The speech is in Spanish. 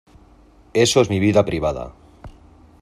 eso es mi vida privada.